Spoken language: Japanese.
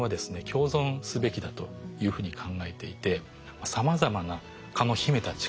共存すべきだというふうに考えていてさまざまな蚊の秘めた力。